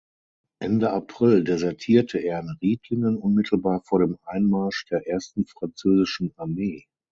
Ende April desertierte er in Riedlingen unmittelbar vor dem Einmarsch der Ersten französischen Armee.